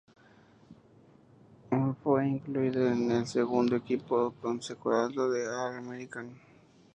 En fue incluido en el segundo equipo consensuado del All-American.